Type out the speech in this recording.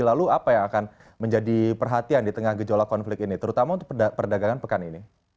lalu apa yang akan menjadi perhatian di tengah gejolak konflik ini terutama untuk perdagangan pekan ini